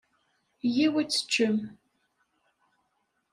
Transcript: Yya-w ad teččem.